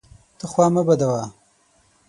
ته خوا مه بدوه!